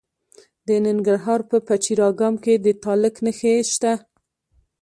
د ننګرهار په پچیر اګام کې د تالک نښې شته.